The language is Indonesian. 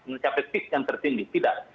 mencapai fit yang tertinggi tidak